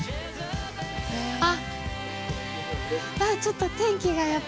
あっ。